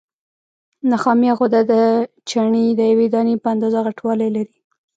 نخامیه غده د چڼې د یوې دانې په اندازه غټوالی لري.